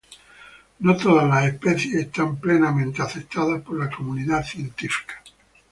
No todas las especies están plenamente aceptadas por la comunidad científica.